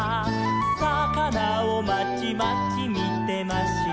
「さかなをまちまちみてました」